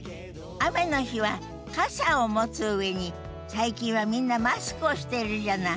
雨の日は傘を持つ上に最近はみんなマスクをしてるじゃない？